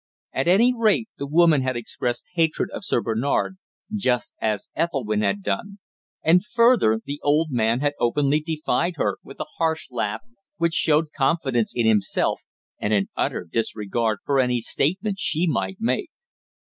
At any rate, the woman had expressed hatred of Sir Bernard just as Ethelwynn had done, and further, the old man had openly defied her, with a harsh laugh, which showed confidence in himself and an utter disregard for any statement she might make.